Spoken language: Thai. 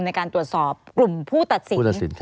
ในการตรวจสอบกลุ่มผู้ตัดสิน